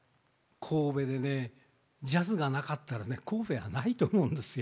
神戸でねジャズがなかったらね神戸はないと思うんですよ。